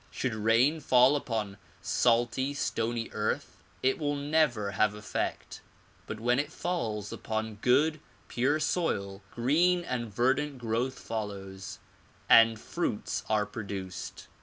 Should rain fall upon salty, stony earth it will never have effect but when it falls upon good pure soil, green and verdant growth follows and fruits are produced.